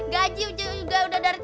gaji juga udah dari